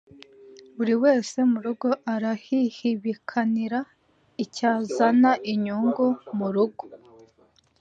Buri wese mu rugo arahihibikanira icyazana inyungu mu rugo.